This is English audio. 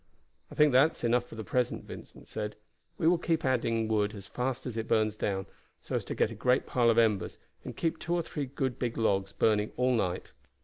"I think that is enough for the present," Vincent said. "We will keep on adding wood as fast as it burns down, so as to get a great pile of embers, and keep two or three good big logs burning all night."